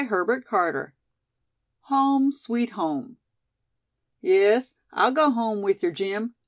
CHAPTER XXVIII. "HOME, SWEET HOME!" "Yes, I'll go home with yer, Jim!